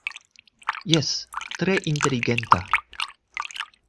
Jes, tre inteligenta!